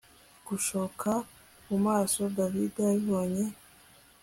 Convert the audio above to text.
gushoka mumaso david abibonye